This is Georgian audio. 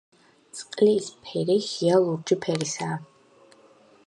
წყლის ფერი ღია ლურჯი ფერისაა.